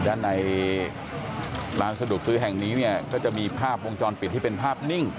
ด้านในร้านสะดวกซื้อแห่งนี้เนี่ยก็จะมีภาพวงจรปิดที่เป็นภาพนิ่ง